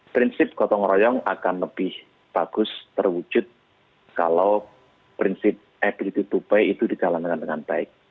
prinsip gotong royong akan lebih bagus terwujud kalau prinsip ability to pay itu dijalankan dengan baik